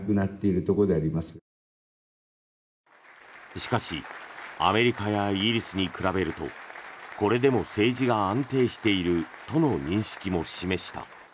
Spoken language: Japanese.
しかしアメリカやイギリスに比べるとこれでも政治が安定しているとの認識も示した。